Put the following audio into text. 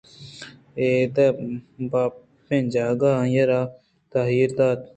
ادءِ باپیں جاگہءَ آئی ءَ را تاہیر دات